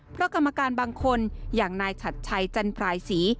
เพราะกรรมการบางคนอย่างนายฉัดชัยจันพรายศรี